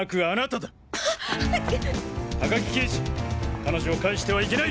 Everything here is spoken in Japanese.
彼女を帰してはいけない！